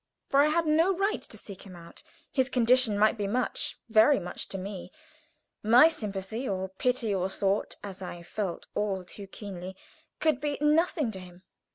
For I had no right to seek him out. His condition might be much very much to me. My sympathy or pity or thought as I felt all too keenly could be nothing to him.